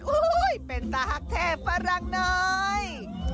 อุ๊ยเป็นตาหักแทบฝรั่งหน่อย